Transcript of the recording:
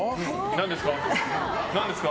何ですか？